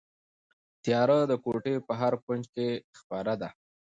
تیاره د کوټې په هر کونج کې خپره ده.